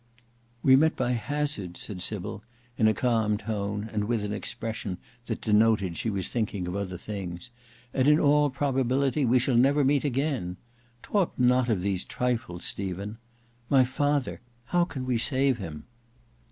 "We met by hazard," said Sybil, in a calm tone, and with an expression that denoted she was thinking of other things, "and in all probability we shall never meet again. Talk not of these trifles. Stephen; my father, how can we save him?"